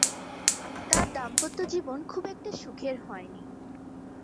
তার দাম্পত্য জীবন খুব একটা সুখের হয়নি।